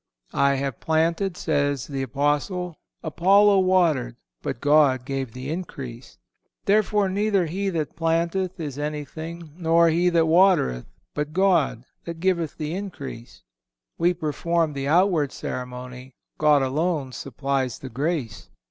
"I have planted," says the Apostle, "Apollo watered, but God gave the increase. Therefore, neither he that planteth is anything, nor he that watereth, but God that giveth the increase."(510) We perform the outward ceremony; God alone supplies the grace.